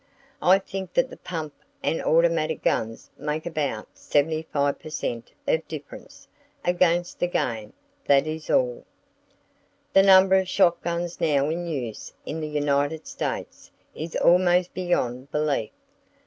I think that the pump and automatic guns make about 75 per cent of difference, against the game; that is all! The number of shot guns now in use in the United States is almost beyond belief.